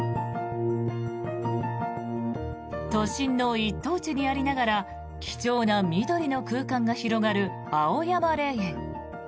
都心の一等地にありながら貴重な緑の空間が広がる青山霊園。